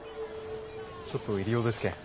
ちょっと入り用ですけん。